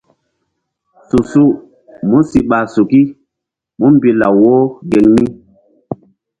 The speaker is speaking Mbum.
Su-su músi ɓa suki múmbi law wo geŋ mi.